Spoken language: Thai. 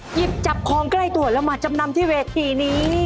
หยิบจับของใกล้ตัวแล้วมาจำนำที่เวทีนี้